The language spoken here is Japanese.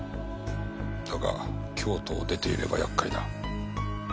だが京都を出ていれば厄介だ。